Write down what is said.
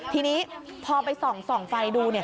ทีนี้พอไปส่องไฟดู